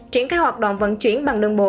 triển khai hoạt động vận chuyển bằng đường bộ